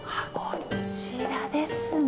こちらですね。